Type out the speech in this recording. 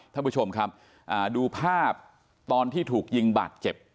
ท่านผู้ชมครับดูภาพตอนที่ถูกยิงบาดเจ็บ